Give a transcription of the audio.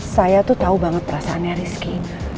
saya tahu banget perasaan rizky